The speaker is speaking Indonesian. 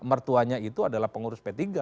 mertuanya itu adalah pengurus p tiga